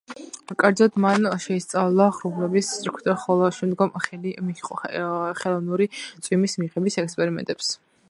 კერძოდ მან შეისწავლა ღრუბლების სტრუქტურა, ხოლო შემდგომ ხელი მიჰყო ხელოვნური წვიმის მიღების ექსპერიმენტებს.